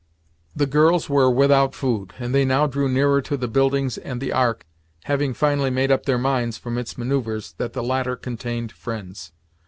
The girls were without food, and they now drew nearer to the buildings and the Ark, having finally made up their minds from its manoeuvres that the latter contained friends.